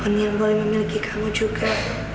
kami yang boleh memiliki kamu juga